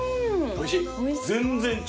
おいしい。